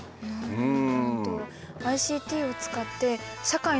うん。